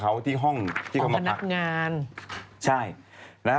กลัวว่าผมจะต้องไปพูดให้ปากคำกับตำรวจยังไง